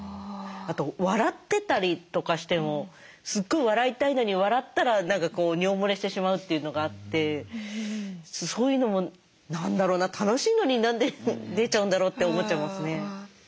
あと笑ってたりとかしてもすごい笑いたいのに笑ったら何か尿もれしてしまうというのがあってそういうのも何だろうな楽しいのに何で出ちゃうんだろうって思っちゃいますね。